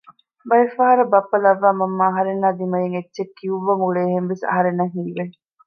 ބައެއްފަހަރަށް ބައްޕަ ލައްވައި މަންމަ އަހަރެންނާއި ދިމަޔަށް އެއްޗެއް ކިއުއްވަން އުޅޭހެންވެސް އަހަރެންނަށް ހީވެ